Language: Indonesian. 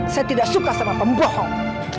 saya tidak suka sama pembohong